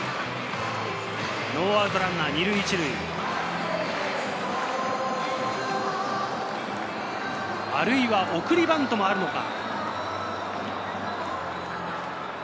ノーアウトランナー２塁１塁。あるいは送りバントもあるのか？